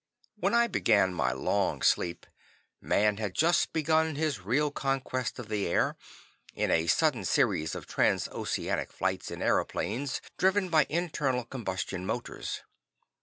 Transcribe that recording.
When I began my long sleep, man had just begun his real conquest of the air in a sudden series of transoceanic flights in airplanes driven by internal combustion motors.